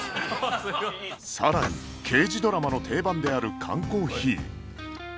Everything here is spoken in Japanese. さらに刑事ドラマの定番である缶コーヒー